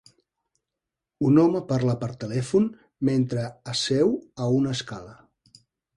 Un home parla per telèfon mentre asseu a una escala.